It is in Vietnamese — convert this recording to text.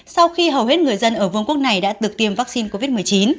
sau khi hầu hết người dân ở vương quốc này đã được tiêm vaccine covid một mươi chín